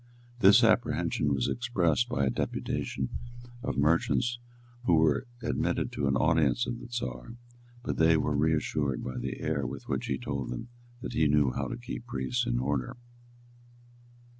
This apprehension was expressed by a deputation of merchants who were admitted to an audience of the Czar; but they were reassured by the air with which he told them that he knew how to keep priests in order.